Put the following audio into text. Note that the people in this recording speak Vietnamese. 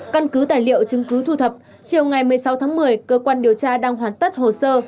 căn cứ tài liệu chứng cứ thu thập chiều ngày một mươi sáu tháng một mươi cơ quan điều tra đang hoàn tất hồ sơ